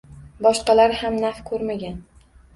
Boshqalar ham naf ko’rmagan.